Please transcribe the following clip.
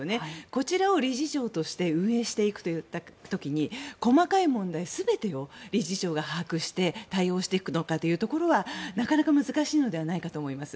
こちらを理事長として運営していく時に細かい問題全てを理事長が把握して対応していくのかというところはなかなか難しいのではないかと思います。